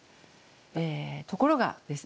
ところがですね